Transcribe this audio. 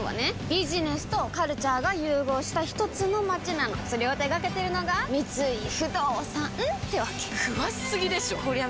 ビジネスとカルチャーが融合したひとつの街なのそれを手掛けてるのが三井不動産ってわけ詳しすぎでしょこりゃ